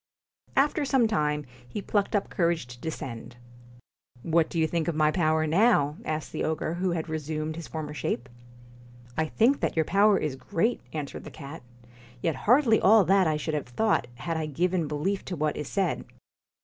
After some time, he plucked up courage to de scend. 'What do you think of my power now?' asked the ogre, who had resumed his former shape. * I think that your power is great,' answered the cat, 'yet hardly all that I should have thought had I given belief to what is said.'